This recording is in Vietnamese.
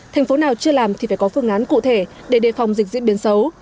thành phố nào chưa làm thì phải có phương án cụ thể để đề phòng dịch diễn biến xấu